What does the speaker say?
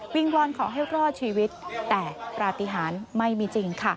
วอนขอให้รอดชีวิตแต่ปฏิหารไม่มีจริงค่ะ